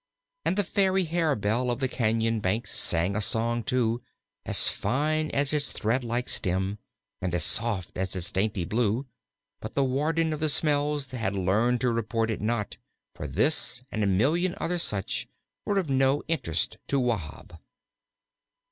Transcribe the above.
And the fairy harebell of the cañon banks sang a song too, as fine as its thread like stem, and as soft as its dainty blue; but the warden of the smells had learned to report it not, for this, and a million other such, were of no interest to Wahb.